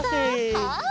はい。